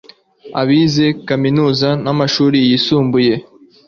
abize kaminuza n amashuri yisumbuye